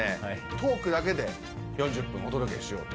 トークだけで４０分お届けしようと。